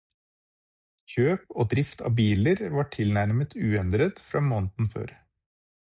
Kjøp og drift av biler var tilnærmet uendret fra måneden før.